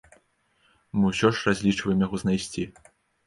Мы ўсё ж разлічваем яго знайсці.